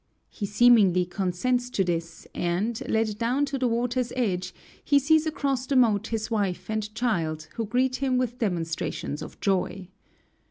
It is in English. He seemingly consents to this, and, led down to the water's edge, he sees across the moat his wife and child, who greet him with demonstrations of joy.